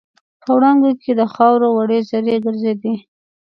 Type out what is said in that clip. په وړانګو کې د خاوور وړې زرې ګرځېدې.